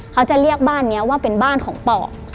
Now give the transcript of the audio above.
เขาจะเรียกบ้านนี้ว่าเป็นบ้านของปอก